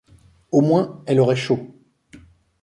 Au moins, elle aurait chaud.